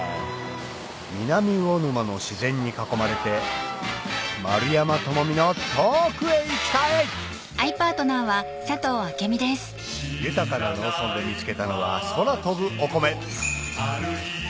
南魚沼の自然に囲まれて丸山智己の『遠くへ行きたい』豊かな農村で見つけたのは空飛ぶお米！